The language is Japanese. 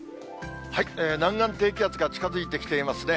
南岸低気圧が近づいてきていますね。